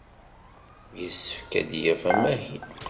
Yessefk ad d-yaf amahil.